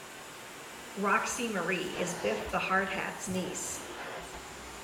Roxie Marie is Biff the Hardhat's niece.